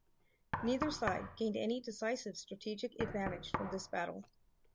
Neither side gained any decisive strategic advantage from this battle.